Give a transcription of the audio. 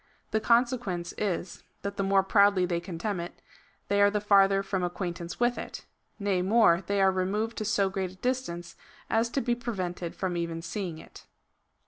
The consequence is, 104 COMMENTARY ON THE CHAP. II. 7. that the more proudly they contemn it, they are tlie fartlier from acquaintance with it — nay more, they are removed to so great a distance as to be prevented from even seeing it.